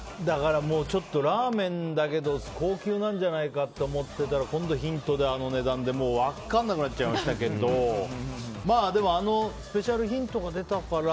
ちょっとラーメンだけど高級なんじゃないかと思ってたら今度ヒントであの値段でもう分からなくなっちゃいましたけどスペシャルヒントが出たから。